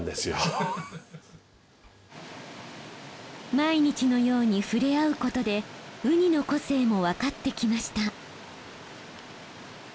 毎日のように触れ合うことでウニの個性もわかってきました。